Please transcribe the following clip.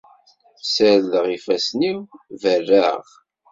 Ssardeɣ ifassen-iw, berraɣ.